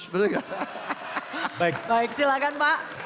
baik silakan pak